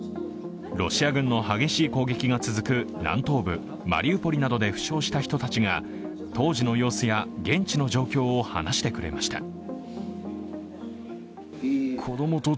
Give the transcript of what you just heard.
ロシア軍の激しい攻撃が続く南東部マリウポリなどで負傷した人たちが当時の様子や現地の状況を話してくれました。